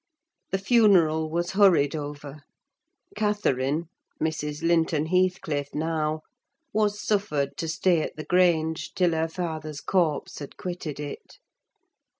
The funeral was hurried over; Catherine, Mrs. Linton Heathcliff now, was suffered to stay at the Grange till her father's corpse had quitted it.